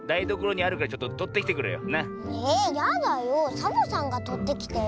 サボさんがとってきてよ。